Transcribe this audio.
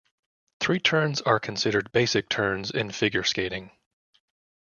Three turns are considered basic turns in figure skating.